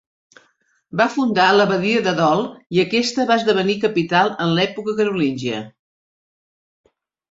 Va fundar l'abadia de Dol i aquesta va esdevenir capital en l'època carolíngia.